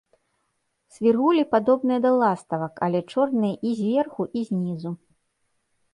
Свіргулі падобныя да ластавак, але чорныя і зверху, і знізу.